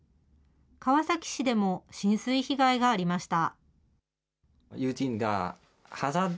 川崎市でも浸水被害がありました。